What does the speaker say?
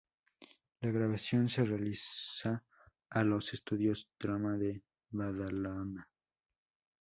La grabación se realiza a los estudios Trama de Badalona.